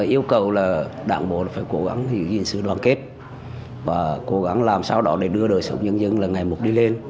yêu cầu là đảng bộ phải cố gắng hiểu nghị sự đoàn kết và cố gắng làm sao đó để đưa đời sống nhân dân là ngày một đi lên